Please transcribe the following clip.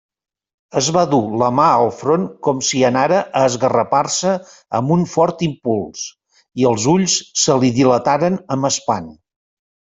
Es va dur la mà al front com si anara a esgarrapar-se amb un fort impuls, i els ulls se li dilataren amb espant.